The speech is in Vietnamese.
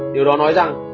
điều đó nói rằng